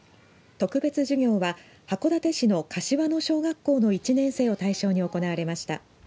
特別授業は函館市の柏野小学校の１年生を対象に行われました。